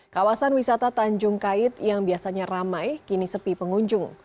kawasan wisata tanjung kait yang biasanya ramai kini sepi pengunjung